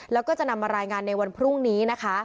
แล้วก็จะนำมารายงานในวันพรุ่งนี้นะคะ